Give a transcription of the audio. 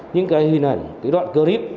những cái hình ảnh cái đoạn clip